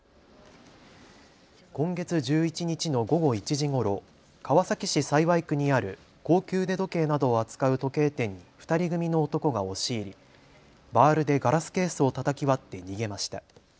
今月１１日の午後１時ごろ川崎市幸区にある高級腕時計などを扱う時計店に２人組の男が押し入りバールでガラスケースをたたき割って逃げました。